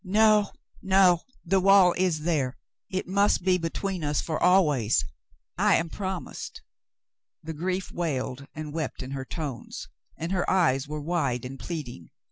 "No, no ! The wall is there. It must be between us Cassandra's Trouble 129 for always, I am promised." The grief wailed and wept in her tones, and her eyes were wide and pleading.